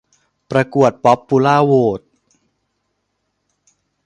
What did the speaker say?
ประกวดป๊อบปูเล่โหวต